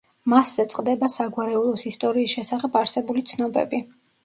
მასზე წყდება საგვარეულოს ისტორიის შესახებ არსებული ცნობები.